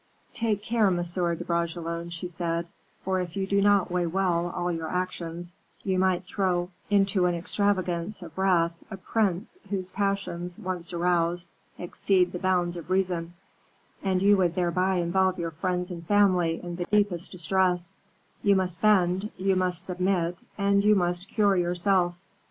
"Take care, Monsieur de Bragelonne," she said, "for if you do not weigh well all your actions, you might throw into an extravagance of wrath a prince whose passions, once aroused, exceed the bounds of reason, and you would thereby involve your friends and family in the deepest distress; you must bend, you must submit, and you must cure yourself."